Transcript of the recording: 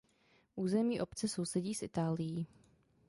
Území obce sousedí s Itálií.